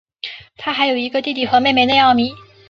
他还有一个弟弟和妹妹内奥米。